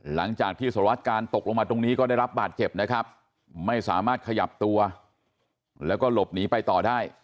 หลังจากที่สารวัตการณ์ตกลงมาตรงนี้ก็ได้รับบาดเจ็บนะครับไม่สามารถขยับตัวแล้วก็หลบหนีไปต่อได้